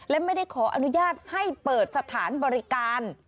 และไม่ได้ขออนุญาตให้เปิดสถานบริการ